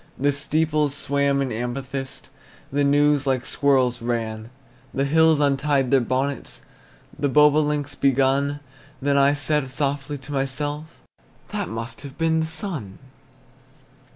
The steeples swam in amethyst, The news like squirrels ran. The hills untied their bonnets, The bobolinks begun. Then I said softly to myself, "That must have been the sun!"